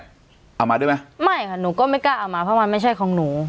เอามาด้วยไหมไม่ค่ะหนูก็ไม่กล้าเอามาเพราะมันไม่ใช่ของหนู